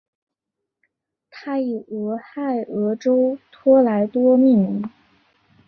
它以俄亥俄州托莱多命名。